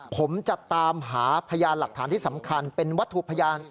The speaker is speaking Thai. ผมจะตามหาพยานหลักฐานที่สำคัญเป็นวัตถุพยาน